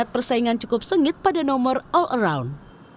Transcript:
empat persaingan cukup sengit pada nomor all around